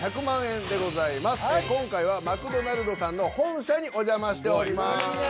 今回は「マクドナルド」さんの本社にお邪魔しております。